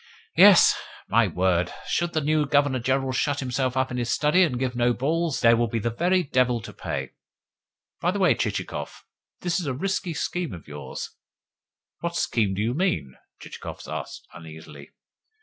Yes, my word! Should the new Governor General shut himself up in his study, and give no balls, there will be the very devil to pay! By the way, Chichikov, that is a risky scheme of yours." "What scheme to you mean?" Chichikov asked uneasily.